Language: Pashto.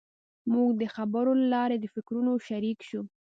موږ د خبرو له لارې د فکرونو شریک شوو.